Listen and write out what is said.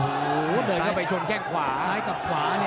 เดินเข้าไปชนแข่งขวา